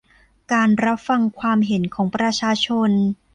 การรับฟังความเห็นของประชาชน